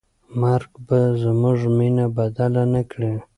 مرګ به زموږ مینه بدله نه کړي.